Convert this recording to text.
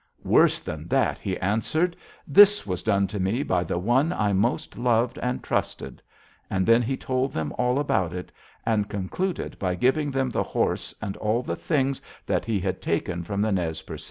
"'Worse than that,' he answered; 'this was done to me by the one I most loved and trusted.' And then he told them all about it, and concluded by giving them the horse and all the things that he had taken from the Nez Percé.